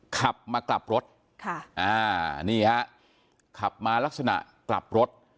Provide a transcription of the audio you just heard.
ขับมากลับรถค่ะอ่านี่ฮะขับมาลักษณะกลับรถ